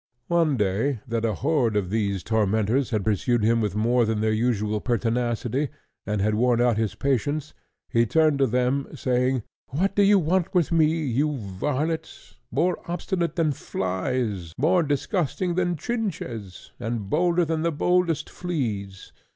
One day, that a horde of these tormentors had pursued him with more than their usual pertinacity, and had worn out his patience, he turned to them, saying—"What do you want with me you varlets? more obstinate than flies, more disgusting than Chinches, and bolder than the boldest fleas.